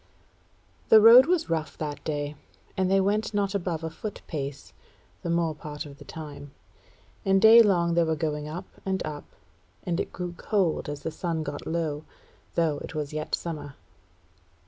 The road was rough that day, and they went not above a foot pace the more part of the time; and daylong they were going up and up, and it grew cold as the sun got low; though it was yet summer.